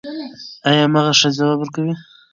ایا مغز ښه ځواب ورکوي؟